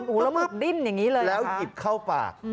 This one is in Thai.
หมึกดิ้มอย่างนี้เลยนะคะแล้วหยิบเข้าปาก